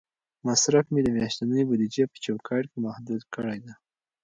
مصرف مې د میاشتنۍ بودیجې په چوکاټ کې محدود کړی دی.